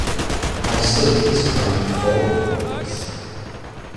My study is crammed full of books.